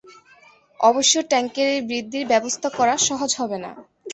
অবশ্য ট্যাঙ্কের এই বৃদ্ধির ব্যবস্থা করা সহজ হবে না।